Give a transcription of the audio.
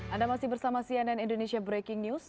anda masih bersama cnn indonesia breaking news